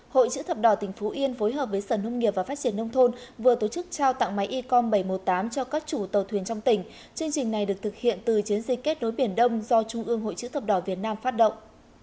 hội chữ thập đỏ tỉnh phú yên phối hợp với sở nông nghiệp và phát triển nông thôn vừa tổ chức trao tặng máy e com bảy trăm một mươi tám cho các chủ tàu thuyền trong tỉnh chương trình này được thực hiện từ chiến dịch kết nối biển đông do trung ương hội chữ thập đỏ việt nam phát động